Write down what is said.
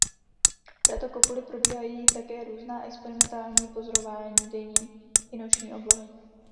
V této kopuli probíhají také různá experimentální pozorování denní i noční oblohy.